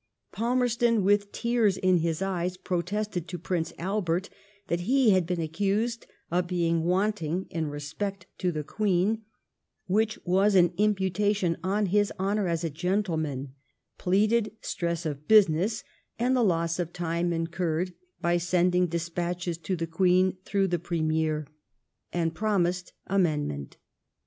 Palmerston, with tears in his eyes, protested to Prince Albert that he had been accused of being wanting in respect to the Queen, which was an imputation on his honour as a gentleman : pleaded stress of business, and the loss of time incurred by sending despatches to the Queen through the Premier r and promised amendment.